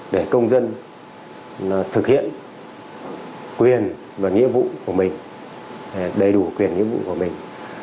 để công dân thực hiện quyền và nghĩa vụ của mình đầy đủ quyền nghĩa vụ của mình